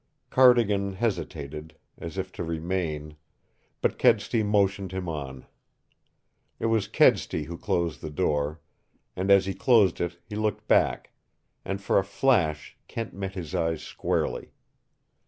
Cardigan hesitated, as if to remain, but Kedsty motioned him on. It was Kedsty who closed the door, and as he closed it he looked back, and for a flash Kent met his eyes squarely.